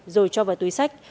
rồi cho vào túi sách